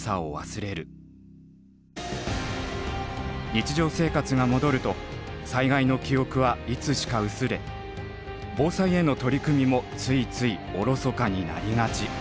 日常生活が戻ると災害の記憶はいつしか薄れ防災への取り組みもついついおろそかになりがち。